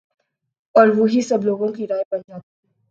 اور وہی سب لوگوں کی رائے بن جاتی